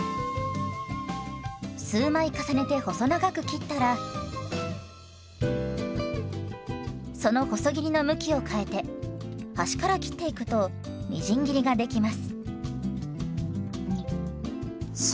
数枚重ねて細長く切ったらその細切りの向きを変えて端から切っていくとみじん切りができます。